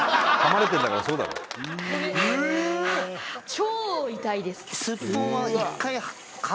超痛いです